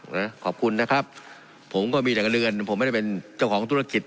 นะขอบคุณนะครับผมก็มีแต่เรือนผมไม่ได้เป็นเจ้าของธุรกิจ